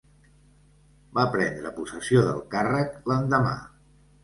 Va prendre possessió del càrrec l'endemà.